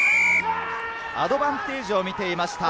アドバンテージを見ていました。